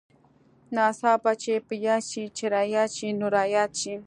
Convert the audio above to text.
ناڅاپه چې په ياد شې چې راياد شې نو راياد شې.